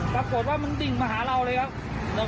ปรากฏว่ามันดิ่งมาหาเราเลยครับ